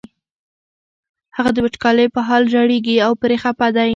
هغه د وچکالۍ په حال ژړېږي او پرې خپه دی.